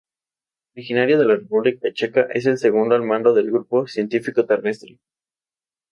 Originario de la República Checa, es el segundo al mando del grupo científico terrestre.